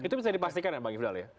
itu bisa dipastikan ya bang ifdal ya